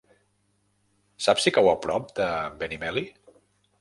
Saps si cau a prop de Benimeli?